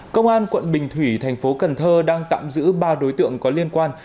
công an quận bình thủy thành phố cần thơ đang tạm giữ ba đối tượng có liên quan